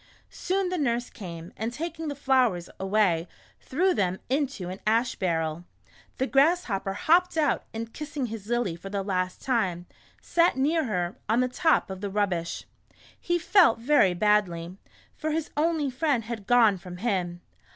Soon the nurse came, and taking the flowers, away, threw them into an ash barrel. The Grass hopper hopped out, and kissing his Lily for the last time, sat near her, on the top of the rubbish. He felt very badly, for his only friend had gone from him.